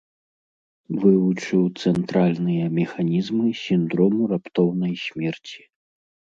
Вывучыў цэнтральныя механізмы сіндрому раптоўнай смерці.